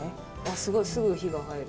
すごいすぐ火が入る。